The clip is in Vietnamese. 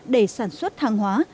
để sản xuất hàng hóa